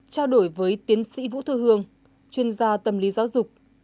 trao đổi với tiến sĩ vũ thư hương chuyên gia tâm lý giáo dục